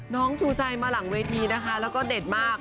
ชูใจมาหลังเวทีนะคะแล้วก็เด็ดมาก